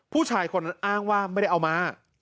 ผู้ชายคนนั้นอ้างว่าไม่ได้เอามา